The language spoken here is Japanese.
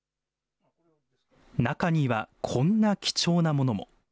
中にはこんな貴重なものも。